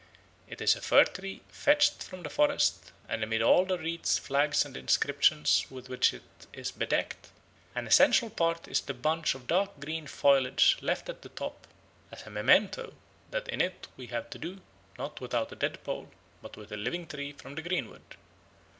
It is a fir tree fetched from the forest, and amid all the wreaths, flags, and inscriptions with which it is bedecked, an essential part is the bunch of dark green foliage left at the top "as a memento that in it we have to do, not with a dead pole, but with a living tree from the greenwood."